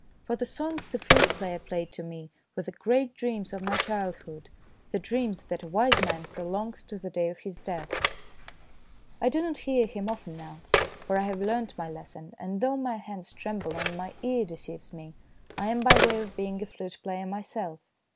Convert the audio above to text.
For the songs the flute player played to me were the great dreams of my childhood, the dreams that a wise man prolongs to the day of his death. I do not hear him often now, for I have learnt my lesson, and though my hands tremble and my ear deceives me, I am by way of being a flute player myself.